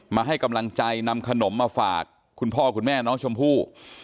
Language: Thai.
มาให้กำลังใจนำขนมมาฝากคุณพ่อคุณแม่น้องชมพู่